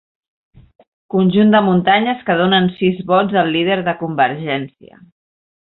Conjunt de muntanyes que donen sis vots al líder de Convergència.